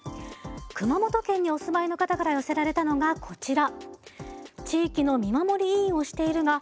熊本県にお住まいの方から寄せられたのがこちら。